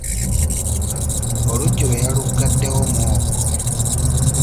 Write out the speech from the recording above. Oluggi lwe yaluggaddewo mwogo